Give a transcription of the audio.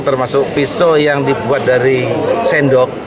termasuk pisau yang dibuat dari sendok